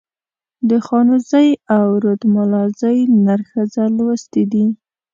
د خانوزۍ او رودملازۍ نر ښځه لوستي دي.